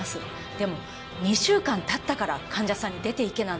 でも２週間経ったから患者さんに出ていけなんて。